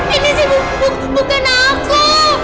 ini sih bukan aku